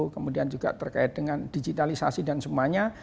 kemudian juga terkait dengan digitalisasi dan semuanya